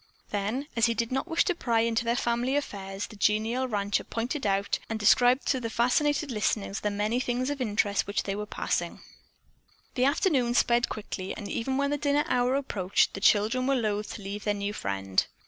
Then, as he did not wish to pry into their family affairs, the genial rancher pointed out and described to fascinated listeners the many things of interest which they were passing. The afternoon sped quickly and even when the dinner hour approached the children were loath to leave their new friend.